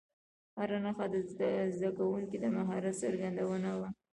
هره نښه د زده کوونکو د مهارت څرګندونه وه.